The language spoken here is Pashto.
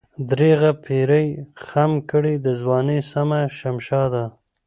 درېغه پيرۍ خم کړې دَځوانۍ سمه شمشاده